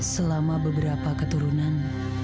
selama beberapa keturunan